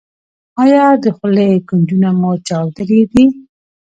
ایا د خولې کنجونه مو چاودلي دي؟